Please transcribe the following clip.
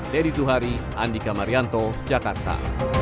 dedy zuhari andika marianto jakarta